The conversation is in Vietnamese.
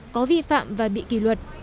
có vi phạm và bị kỳ luật